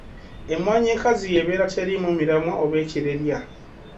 Emmwanyi enkazi y’ebeera teriimu miramwa oba ekirerya.